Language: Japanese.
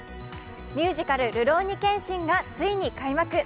ミュージカル「るろうに剣心」がついに開幕。